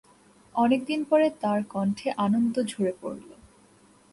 অনেক দিন পরে তাঁর কণ্ঠে আনন্দ ঝরে পড়ল।